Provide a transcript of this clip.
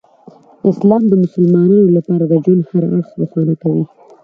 اسلام د مسلمانانو لپاره د ژوند هر اړخ روښانه کوي.